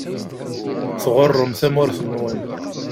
Tɣuṛṛem tamurt-nwen.